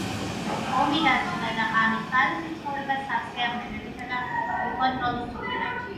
ომი დასრულდა და ღამის პარიზის ცხოვრება სავსეა ვნებებით და უკონტროლო სურვილებით.